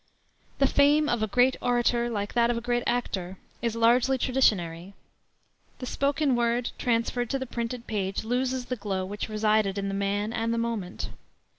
The fame of a great orator, like that of a great actor, is largely traditionary. The spoken word transferred to the printed page loses the glow which resided in the man and the moment.